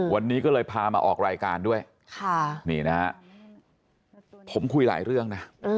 วันนี้ก็เลยพามาออกรายการด้วยนี่นะฮะผมคุยหลายเรื่องนะ